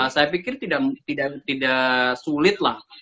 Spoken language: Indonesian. saya pikir tidak sulit lah